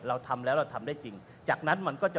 เราทำแล้วเราทำได้จริงจากนั้นมันก็จะ